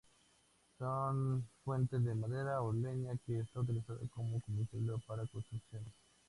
Son fuente de madera o leña que es utilizada como combustible o para construcciones.